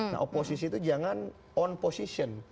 nah oposisi itu jangan on position